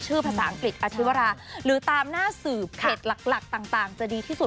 ภาษาอังกฤษอาชีวราหรือตามหน้าสืบเพจหลักต่างจะดีที่สุด